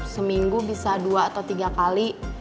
seminggu bisa dua atau tiga kali